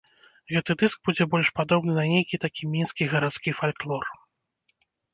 Гэты дыск будзе больш падобны на нейкі такі мінскі гарадскі фальклор.